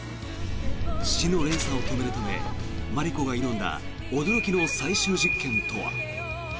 死の連鎖を止めるためマリコが挑んだ驚きの最終実験とは？